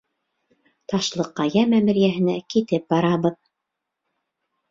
— Ташлыҡая мәмерйәһенә китеп барабыҙ.